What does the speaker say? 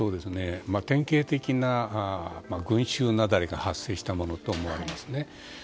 典型的な群衆雪崩が発生したものと思われますね。